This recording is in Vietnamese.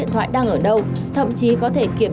như bà trần ngọc diệp